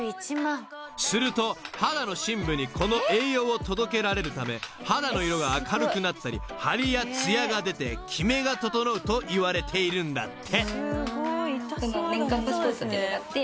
［すると肌の深部にこの栄養を届けられるため肌の色が明るくなったり張りや艶が出てきめが整うといわれているんだって］